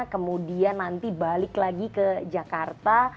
kemudian nanti balik lagi ke jakarta